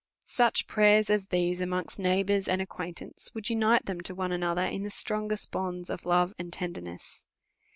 Such prayers as these amongst neighbours and ac quaintance would unite them to one another in the strongest bonds of love and tenderness.